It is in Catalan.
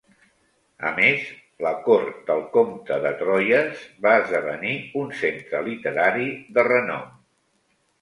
A més, la cort del comte de Troyes va esdevenir un centre literari de renom.